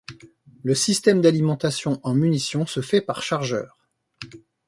Le système d'alimentation en munition se fait par chargeur.